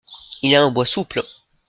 Il a un bois souple.